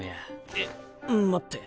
えっ待って。